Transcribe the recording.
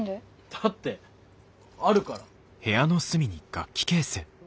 だってあるから。